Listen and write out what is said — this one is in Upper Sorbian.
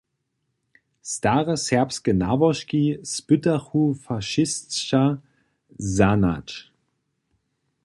Stare serbske nałožki spytachu fašisća zahnać.